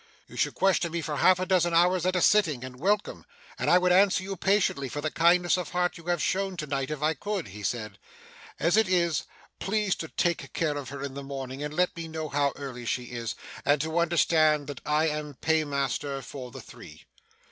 'You should question me for half a dozen hours at a sitting, and welcome, and I would answer you patiently for the kindness of heart you have shown to night, if I could,' he said. 'As it is, please to take care of her in the morning, and let me know early how she is; and to understand that I am paymaster for the three.